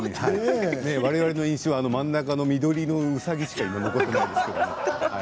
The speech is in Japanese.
われわれの印象は真ん中の緑色のうさぎしか残っていない。